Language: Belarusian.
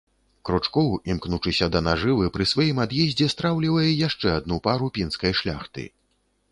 Кручкоў, імкнучыся да нажывы, пры сваім ад'ездзе страўлівае яшчэ адну пару пінскай шляхты.